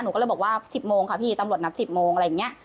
หนูก็เลยบอกว่า๑๐โมงค่ะพี่ตำรวจนับ๑๐โมงอะไรอย่างนี้